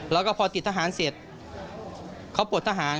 แล้วก็พอติดทหารเสร็จเขาปวดทหาร